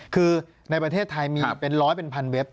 คือในประเทศไทยมีเป็นร้อยเป็นพันเว็บ